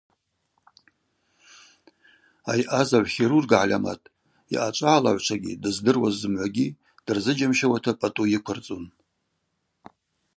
Айъазагӏв-хирург гӏальамат йъачӏвагӏалагӏвчвагьи дыздыруаз зымгӏвагьи дырзыджьамщауата пӏатӏу йыквырцӏун.